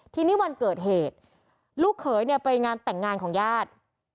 ทีนี้วันเกิดเหตุลูกเขยเนี่ยไปงานแต่งงานของญาติ